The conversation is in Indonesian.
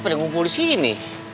tadi ngumpul disini